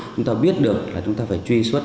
chúng ta biết được là chúng ta phải truy xuất